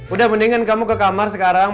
udah mendingan kamu ke kamar sekarang